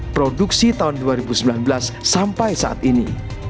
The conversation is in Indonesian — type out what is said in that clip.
produksi tahun dua ribu sembilan belas sampai saat ini